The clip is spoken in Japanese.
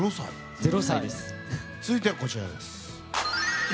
続いてはこちらです。